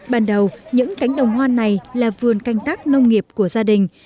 ban đầu những cánh đồng hoa này là vườn canh tác nông nghiệp của gia đình